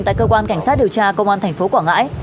tại cơ quan cảnh sát điều tra công an tp quảng ngãi